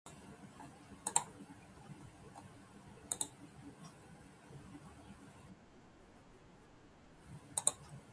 楽しいこと考えよう